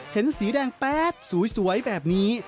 เห็นสีแดงแป๊ดสวยแบบนี้